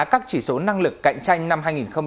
các chỉ số năng lực cạnh tranh năm hai nghìn một mươi tám